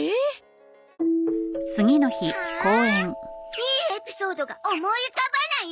いいエピソードが思い浮かばない？